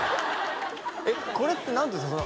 えっこれって何ていうんですか？